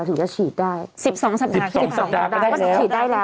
๑๒สัปดาห์ที่สมบัติฝรั่งโคมต้องถี่กร้านเข้ามาไกล